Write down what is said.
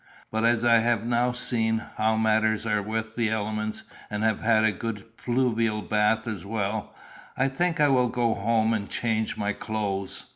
But as I have now seen how matters are with the elements, and have had a good pluvial bath as well, I think I will go home and change my clothes."